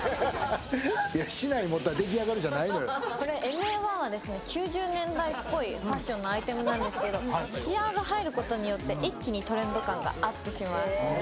ＭＡ−１は９０年代っぽいファッションのアイテムなんですけどシアーが入ることによって、一気にトレンド感がアップします。